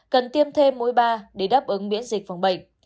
cần tiêm thêm mũi ba để đáp ứng miễn dịch phòng bệnh